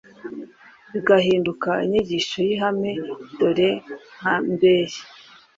bigahinduka inyigisho y’ihame Dore nka Mbehe